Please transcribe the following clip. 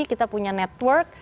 kita punya network